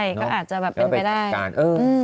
ใช่ก็อาจจะแบบเป็นไปได้